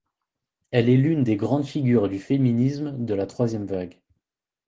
Elle est l'une des grandes figures du féminisme de la troisième vague.